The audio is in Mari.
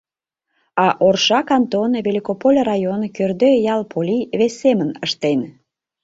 А Орша кантон, Великополь район, Кӧрдӧ ял Поли вес семын ыштен.